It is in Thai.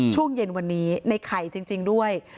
ช่วงเย็นวันนี้ในไข่จริงด้วย